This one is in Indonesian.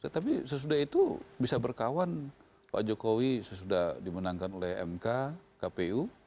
tapi sesudah itu bisa berkawan pak jokowi sesudah dimenangkan oleh mk kpu